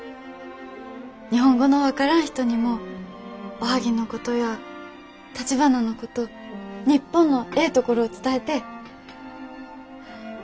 日本語の分からん人にもおはぎのことやたちばなのこと日本のええところを伝えてえ。